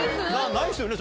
ないですよね？